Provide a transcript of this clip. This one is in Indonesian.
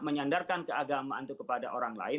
menyandarkan keagamaan itu kepada orang lain